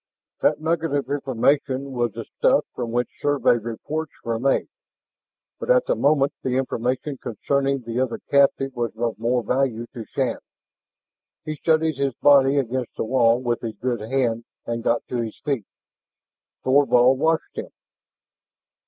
That nugget of information was the stuff from which Survey reports were made. But at the moment the information concerning the other captive was of more value to Shann. He steadied his body against the wall with his good hand and got to his feet. Thorvald watched him.